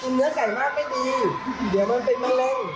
เนื้อไก่มากไม่ดีเดี๋ยวมันเป็นมะเร็ง